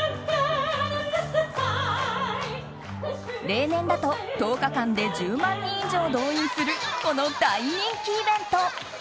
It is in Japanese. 例年だと１０日間で１０万人以上動員するこの大人気イベント。